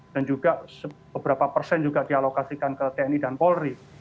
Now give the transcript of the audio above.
dan juga beberapa persen juga dialokasikan ke tni dan polri